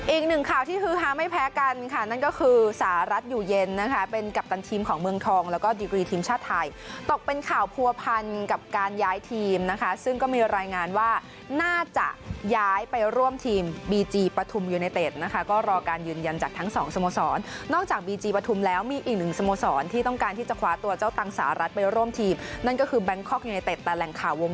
อีกหนึ่งข่าวที่คือค้าไม่แพ้กันค่ะนั่นก็คือสหรัฐอยู่เย็นนะคะเป็นกัปตันทีมของเมืองทองแล้วก็ดีกรีทีมชาติไทยตกเป็นข่าวผัวพันกับการย้ายทีมนะคะซึ่งก็มีรายงานว่าน่าจะย้ายไปร่วมทีมบีจีปฐุมยูไนเต็ดนะคะก็รอการยืนยันจากทั้งสองสโมสรนอกจากบีจีปฐุมแล้วมีอีกหนึ่งสโมสรนที่ต้อง